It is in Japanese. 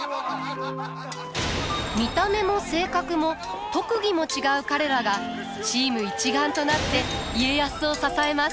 見た目も性格も特技も違う彼らがチーム一丸となって家康を支えます。